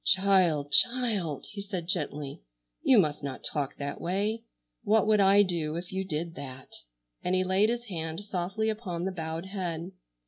"Child, child!" he said gently, "you must not talk that way. What would I do if you did that?" and he laid his hand softly upon the bowed head.